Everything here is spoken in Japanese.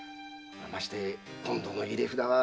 まして今度の入札は。